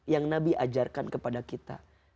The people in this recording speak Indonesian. yang nabi ajarkan kepada kita